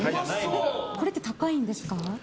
これって高いんですか？